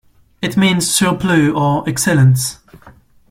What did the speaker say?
It means "surplus" or "excellence".